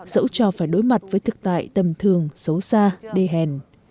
dẫu cho phải đối mặt với thực tại tầm thường xấu xa đê hèn